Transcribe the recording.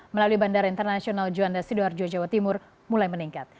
melalui bandara internasional juanda sidoarjo jawa timur mulai meningkat